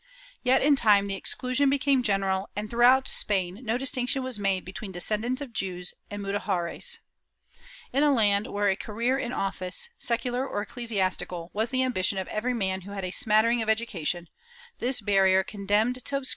^ Yet in time the exclusion became general, and throughout Spain no distinction was made between descendants of Jews and Mudejares. In a land where a career in office, secular or ecclesiastical, was the ambition of every man who had a smattering of education, this barrier condemned to obscurity * Guadalajara y Xavierr, Expulsion de los Moriscos, fol.